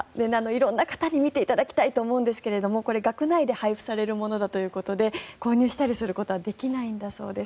色んな方に見ていただきたいと思うんですがこれ学内で配布されるものだということで購入したりすることはできないんだそうです。